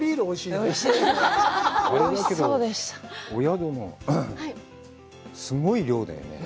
だけど、お宿もすごい量だよね。